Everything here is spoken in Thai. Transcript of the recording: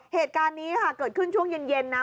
เหตุการณ์นี้ค่ะเกิดขึ้นช่วงเย็นนะ